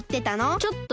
ちょっとね。